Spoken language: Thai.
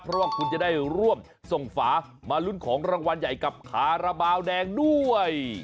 เพราะว่าคุณจะได้ร่วมส่งฝามาลุ้นของรางวัลใหญ่กับคาราบาลแดงด้วย